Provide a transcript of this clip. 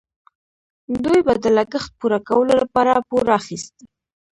دوی به د لګښت پوره کولو لپاره پور اخیست.